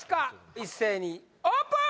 一斉にオープン！